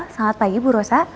selamat pagi bu rosa